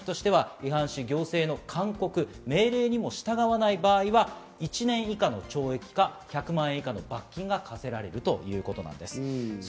これに対する罰則としては違反し、行政の勧告・命令にも従わない場合は、１年以下の懲役か１００万円以下の罰金が科せられるということなんです。